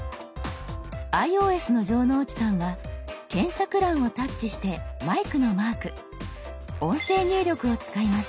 ｉＯＳの城之内さんは検索欄をタッチしてマイクのマーク音声入力を使います。